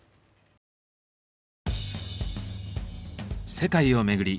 世界を巡り